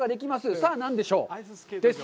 さあ何でしょう？